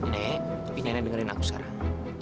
nenek tapi nenek dengerin aku sekarang